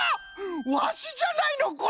わしじゃないのこれ！